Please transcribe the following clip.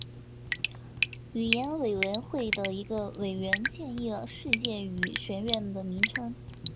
语言委员会的一个委员建议了世界语学院的名称。